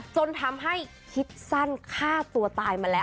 จนทำให้คิดสั้นฆ่าตัวตายมาแล้ว